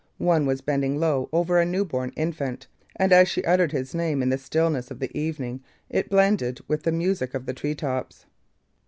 One was bending low over a newborn infant, and as she uttered his name in the stillness of the evening it blended with the music of the tree tops.